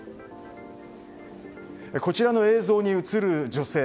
こちらの映像に映る女性